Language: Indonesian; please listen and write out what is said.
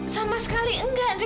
sama sekali enggak ndre